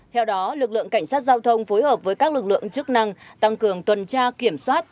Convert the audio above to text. theo đó lực lượng cảnh sát giao thông phối hợp với các lực lượng chức năng tăng cường tuần tra kiểm soát